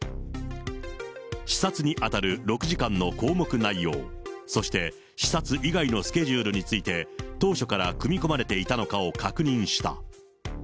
視察にあたる６時間の項目内容、そして、視察以外のスケジュールについて当初から組み込まれていたのかを確認した。